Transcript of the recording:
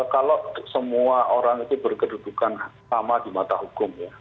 kalau semua orang itu berkedudukan sama di mata hukum ya